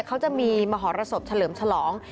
เขาจะมีมหรสบเฉลิมฉลอง